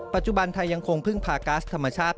ปัจจุบันไทยยังคงพึ่งพาก๊าซธรรมชาติ